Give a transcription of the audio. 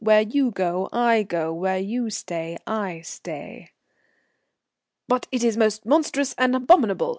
Where you go I go, where you stay I stay." "But it is most monstrous and abominable.